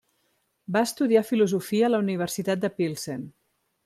Va estudiar filosofia a la Universitat de Pilsen.